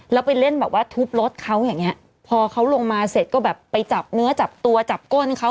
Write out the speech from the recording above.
แล้วไปเล่นแบบว่าทุบรถเขาอย่างเงี้ยพอเขาลงมาเสร็จก็แบบไปจับเนื้อจับตัวจับก้นเขา